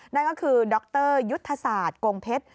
นั่นก็คือดรยุทธศาสตร์กงเพชร